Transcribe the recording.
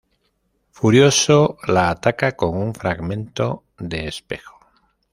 Furioso, la ataca con un fragmento de espejo.